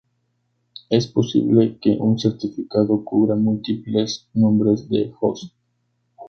Es posible que un certificado cubra múltiples nombres de host.